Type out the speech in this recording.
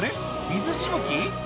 水しぶき？